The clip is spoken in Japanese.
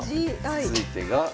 続いてが。